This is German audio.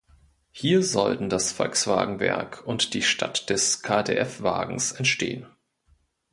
Hier sollten das Volkswagenwerk und die "Stadt des KdF-Wagens" entstehen.